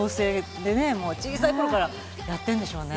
小さい頃からやってるんでしょうね。